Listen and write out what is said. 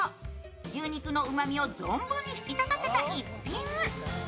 牛肉のうまみを存分に引き立たせた逸品。